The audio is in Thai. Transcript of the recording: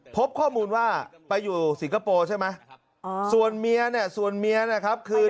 พบข้อมูลว่าไปอยู่สิงคโปร์ใช่ไหมส่วนเมียเนี่ยส่วนเมียนะครับคือ